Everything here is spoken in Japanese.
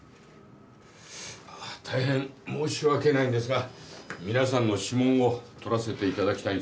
大変申し訳ないんですが皆さんの指紋を採らせていただきたいんです。